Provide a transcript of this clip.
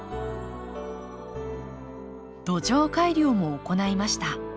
土壌改良も行いました。